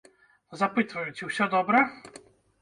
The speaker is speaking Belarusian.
Запытваю, ці ўсё добра?